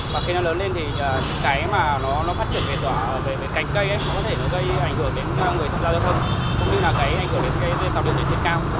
và khi nó lớn lên thì những cái mà nó phát triển về cạnh cây ấy có thể nó gây ảnh hưởng đến người thân giao giao thân cũng như là cái ảnh hưởng đến cây tạo đường dưới trên cao